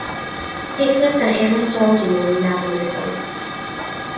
Teithlyfr gan Eirwyn George yw Meini Nadd a Mynyddoedd.